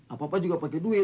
apa apa juga pakai duit